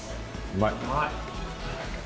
うまい。